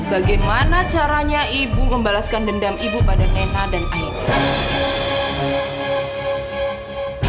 bagaimana caranya ibu membalaskan dendam ibu pada nena dan ayahnya